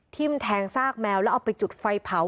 แทงซากแมวแล้วเอาไปจุดไฟเผา